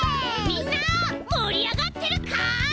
みんなもりあがってるかい？